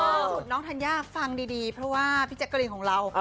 สุดน้องธัญญาฟังดีเพราะว่าพี่แจ๊กกะรีนของเรา